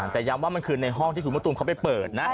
แต่ย้ำว่ามันคือในห้องที่คุณมะตูมเขาไปเปิดนะ